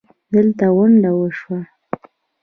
دلته غونډه وشوه